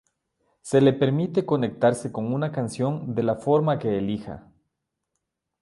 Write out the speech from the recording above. Se le permite conectarse con una canción de la forma que elija.